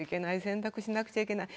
洗濯しなくちゃいけない。